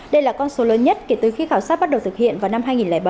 đây là con số lớn nhất kể từ khi khảo sát bắt đầu thực hiện vào năm hai nghìn bảy